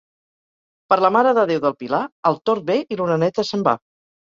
Per la Mare de Déu del Pilar, el tord ve i l'oreneta se'n va.